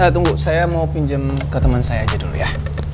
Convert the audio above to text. tunggu saya mau pinjam ke teman saya aja dulu ya